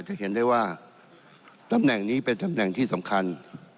จะเห็นได้ว่าตำแหน่งนี้เป็นตำแหน่งที่สำคัญ